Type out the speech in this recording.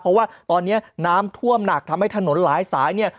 เพราะว่าตอนนี้น้ำท่วมหนักทำให้ถนนหลายสายเนี่ย